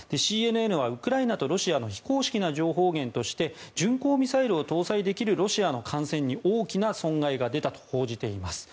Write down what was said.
ＣＮＮはウクライナとロシアの非公式な情報源として巡航ミサイルを搭載できるロシアの艦船に大きな損害が出たと報じています。